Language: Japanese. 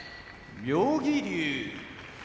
妙義龍